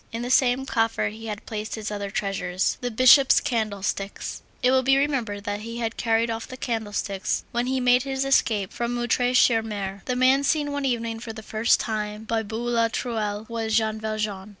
In the same coffer he had placed his other treasures, the Bishop's candlesticks. It will be remembered that he had carried off the candlesticks when he made his escape from Montreuil sur Mer. The man seen one evening for the first time by Boulatruelle, was Jean Valjean.